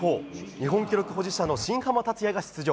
日本記録保持者の新濱立也が出場。